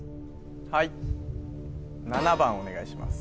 はい７番お願いします